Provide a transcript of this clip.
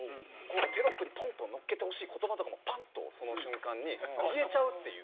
テロップにポンとのっけてほしい言葉とかもパンッとその瞬間に言えちゃうっていう。